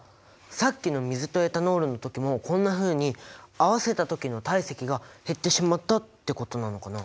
さっきの水とエタノールの時もこんなふうに合わせた時の体積が減ってしまったってことなのかな？